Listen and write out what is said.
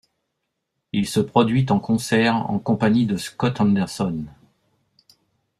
Il se produit en concert en compagnie de Scott Henderson.